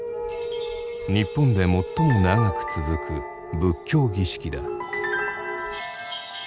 日本で最も長く続く仏教儀式だ。